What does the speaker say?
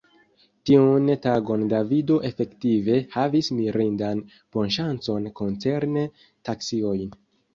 Tiun tagon Davido efektive havis mirindan bonŝancon koncerne taksiojn.